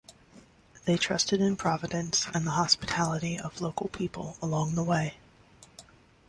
They trusted in Providence and the hospitality of local people along the way.